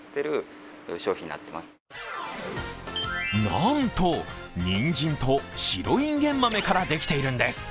なんと、にんじんと白いんげん豆からできているんです。